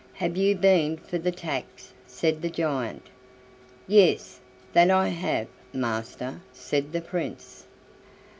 "Have you been for the tax?" said the giant. "Yes, that I have, master," said the Prince.